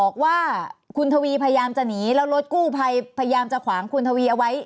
บอกว่าคุณทวีพยายามจะหนีแล้วรถกู้ภัยพยายามจะขวางคุณทวีเอาไว้